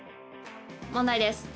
問題です。